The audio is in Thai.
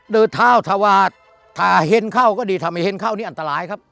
เดินเท้าถวาดถ้าเห็นเข้าก็ดีถ้าไม่เห็นเข้านี่อันตรายครับ